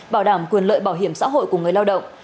bảo đảm quyền lợi bảo hiểm xã hội của người lao động